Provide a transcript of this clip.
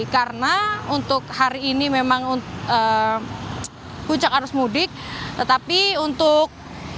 karena untuk hari ini memang puncak arus mudik tetapi untuk